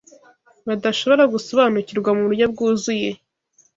badashobora gusobanukirwa mu buryo bwuzuye